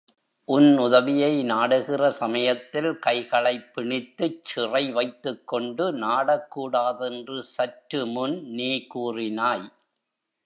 உன் உதவியை நாடுகிற சமயத்தில் கைகளைப் பிணித்துச் சிறை வைத்துக் கொண்டு நாடக்கூடாதென்று சற்று முன் நீ கூறினாய்!